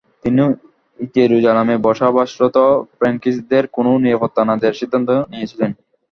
তিনি জেরুজালেমে বসবাসরত ফ্রাঙ্কিশদের কোনো নিরাপত্তা না দেয়ার সিদ্ধান্ত নিয়েছিলেন।